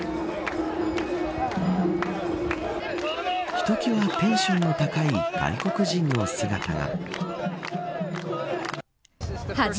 ひときわテンションの高い外国人の姿が。